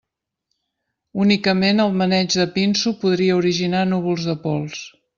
Únicament el maneig de pinso podria originar núvols de pols.